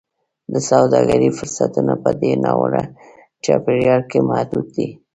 د سوداګرۍ فرصتونه په دې ناوړه چاپېریال کې محدود دي.